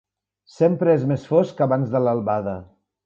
Sempre és més fosc abans de l'albada.